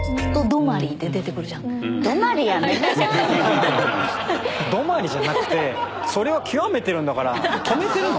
「止まり」じゃなくてそれは極めてるんだから止めてるの。